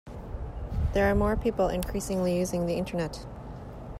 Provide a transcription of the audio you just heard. There are more people increasingly using the internet.